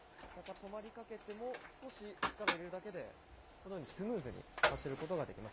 止まりかけても少し力を入れるだけで、このようにスムーズに走ることができます。